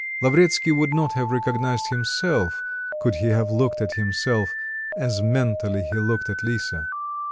Lavretsky would not have recognized himself, could he have looked at himself, as mentally he looked at Lisa.